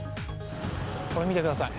これ見てください。